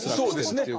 そうですね。